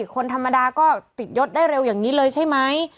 คนธรรมดาก็ติดยศได้เร็วอย่างนี้เลยใช่ไหม